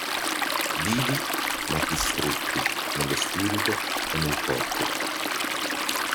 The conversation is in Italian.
Vivi ma distrutti nello spirito e nel corpo.